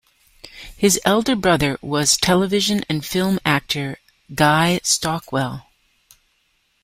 His elder brother was television and film actor Guy Stockwell.